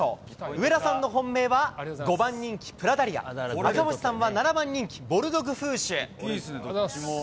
上田さんの本命は５番人気プラダリア、赤星さんは７番人気、ボルドグフーシュ。